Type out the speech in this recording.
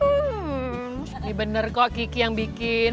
ini bener kok kiki yang bikin